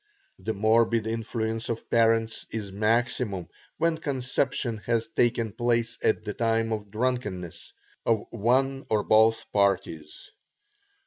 The morbid influence of parents is maximum when conception has taken place at the time of drunkenness of one or both parties.